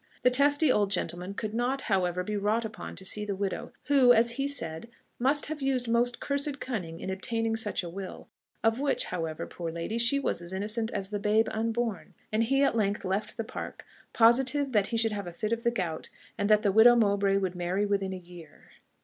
The testy old gentleman could not, however, be wrought upon to see the widow, who, as he said, must have used most cursed cunning in obtaining such a will; of which, however, poor lady, she was as innocent as the babe unborn; and he at length left the Park, positive that he should have a fit of the gout, and that the widow Mowbray would marry within a year.